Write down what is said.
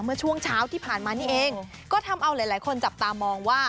เมื่อช่วงเช้าที่ผ่านมานี่เองก็ทำเอาหลายคนจับตามองว่า